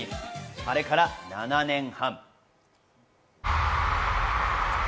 あれから７年半。